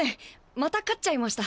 また勝っちゃいました。